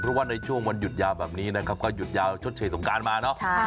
เพราะว่าในช่วงวันหยุดยาวแบบนี้นะครับก็หยุดยาวชดเชยสงการมาเนอะ